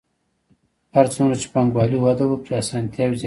هر څومره چې پانګوالي وده وکړي اسانتیاوې زیاتېږي